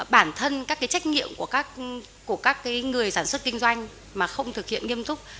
bản thân các trách nhiệm của các người sản xuất kinh doanh mà không thực hiện nghiêm túc